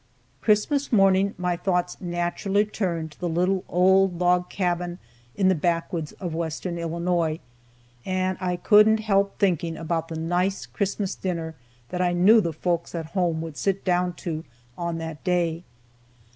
Christmas morning my thoughts naturally turned to the little old log cabin in the backwoods of western Illinois, and I couldn't help thinking about the nice Christmas dinner that I knew the folks at home would sit down to on that day.